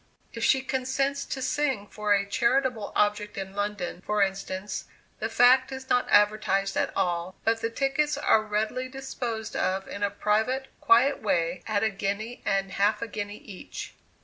If she consents to sing for a charitable object in London, for instance, the fact is not advertised at all, but the tickets are readily disposed of in a private quiet way, at a guinea and half a guinea each.